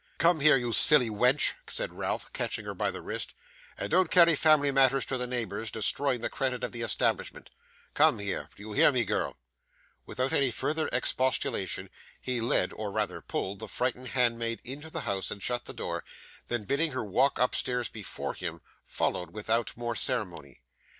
'Come here, you silly wench,' said Ralph, catching her by the wrist; 'and don't carry family matters to the neighbours, destroying the credit of the establishment. Come here; do you hear me, girl?' Without any further expostulation, he led or rather pulled the frightened handmaid into the house, and shut the door; then bidding her walk upstairs before him, followed without more ceremony.